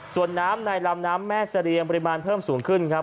ส่วนน้ำในลำน้ำแม่เสรียงปริมาณเพิ่มสูงขึ้นครับ